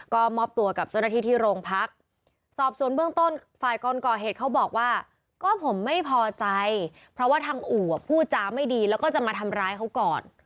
ก็มอบตัวกับเจ้าหน้าที่ที่โรงพัก